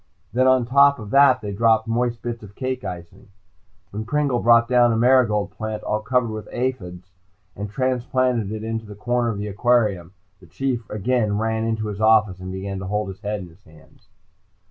Then on top of that they dropped moist bits of cake icing. When Pringle brought down a marigold plant, all covered with aphis, and transplanted it in a corner of the aquarium, the Chief again ran into his office and began to hold his head in his hands.